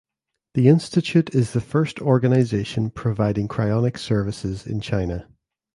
The institute is the first organization providing cryonics services in China.